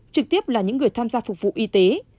trực tiếp là những người tham gia phục vụ y tế